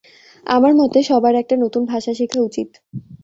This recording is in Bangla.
আমার মতে সবার একটা নতুন ভাষা শেখা উচিত।